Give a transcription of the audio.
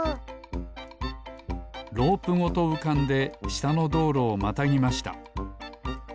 ロープごとうかんでしたのどうろをまたぎました。